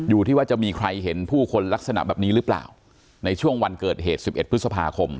อยู่ที่ว่าจะมีใครเห็นผู้คนลักษณะแบบนี้หรือเปล่าในช่วงวันเกิดเหตุสิบเอ็ดพฤษภาคม